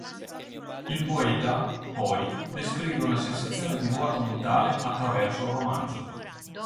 Il poeta, poi, descrive una sensazione di vuoto mentale attraverso il romanzo.